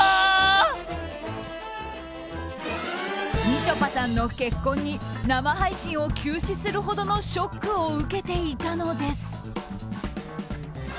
みちょぱさんの結婚に生配信を休止するほどのショックを受けていたのです。